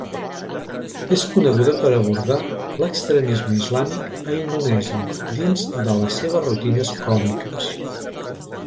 És coneguda per abordar l'extremisme islàmic a Indonèsia dins de les seves rutines còmiques.